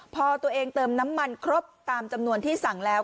พอตัวเองเติมน้ำมันครบตามจำนวนที่สั่งแล้ว